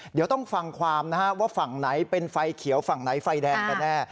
เดี๋ยวต้องฟังความนะฮะว่าฝั่งไหนเป็นไฟเขียวฝั่งไหนไฟแดงกันแน่